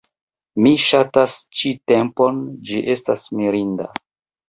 Mi ŝatas ĉi tempon, ĝi estas mirinda...